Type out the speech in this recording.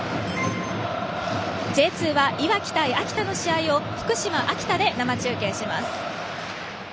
Ｊ２は、いわき対秋田の試合を福島、秋田で生中継します。